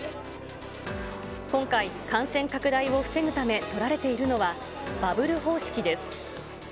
今回、感染拡大を防ぐため取られているのは、バブル方式です。